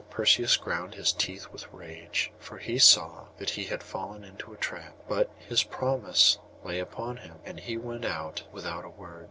Perseus ground his teeth with rage, for he saw that he had fallen into a trap; but his promise lay upon him, and he went out without a word.